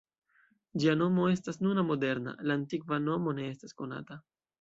Ĝia nomo estas nuna moderna, la antikva nomo ne estas konata.